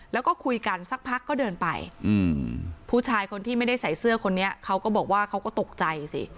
แล้วก็คุยกันสักพักก็เดินไปผู้ชายคนที่ไม่ได้ใส่เสื้อคนนี้เขาก็บอกว่าเขาก็ตกใจสิ